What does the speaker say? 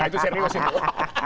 ah itu serius itu